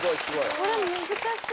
これ難しい。